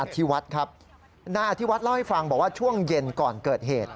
ที่วัดครับนายอธิวัฒน์เล่าให้ฟังบอกว่าช่วงเย็นก่อนเกิดเหตุ